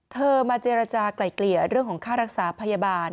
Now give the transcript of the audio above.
มาเจรจากลายเกลี่ยเรื่องของค่ารักษาพยาบาล